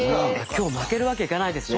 今日負けるわけいかないですね。